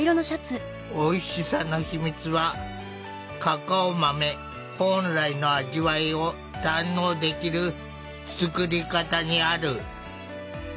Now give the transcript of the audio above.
おいしさの秘密はカカオ豆本来の味わいを堪能できる作り方にある。